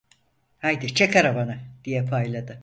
Haydi çek arabanı! diye payladı.